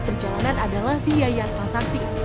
perjalanan adalah biaya transaksi